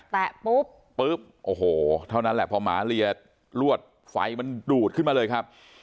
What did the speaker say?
แตะปุ๊บปุ๊บปุ๊บโอ้โหเท่านั้นแหละพอหมาเลียลวดไฟมันดูดขึ้นมาเลยครับ